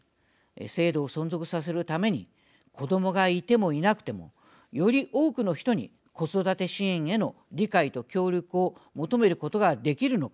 制度を存続させるために子どもがいてもいなくてもより多くの人に子育て支援への理解と協力を求めることができるのか